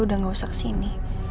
udah gak usah kesini